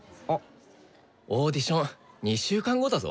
オーディション２週間後だぞ。